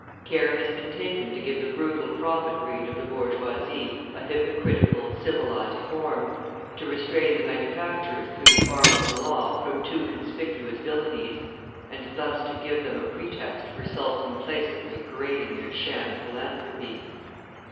Care has been taken to give the brutal profit greed of the bourgeoisie a hypocritical, civilised form, to restrain the manufacturers through the arm of the law from too conspicuous villainies, and thus to give them a pretext for self complacently parading their sham philanthropy.